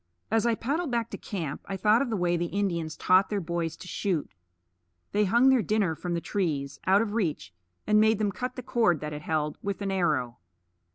As I paddled back to camp, I thought of the way the Indians taught their boys to shoot. They hung their dinner from the trees, out of reach, and made them cut the cord that held it, with an arrow.